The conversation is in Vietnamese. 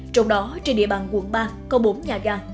trong đó trên địa bàn quận ba có bốn nhà ga